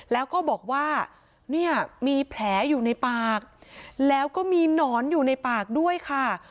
แล้วก็บอกว่าเนี่ยมีแผลอยู่ในปากแล้วก็มีหนอนอยู่ในปากด้วยค่ะ